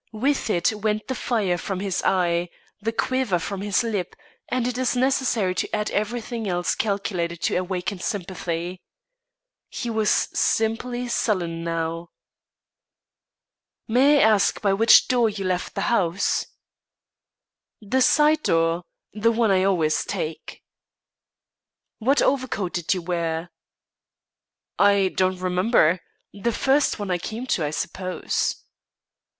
With it went the fire from his eye, the quiver from his lip, and it is necessary to add, everything else calculated to awaken sympathy. He was simply sullen now. "May I ask by which door you left the house?" "The side door the one I always take." "What overcoat did you wear?" "I don't remember. The first one I came to, I suppose."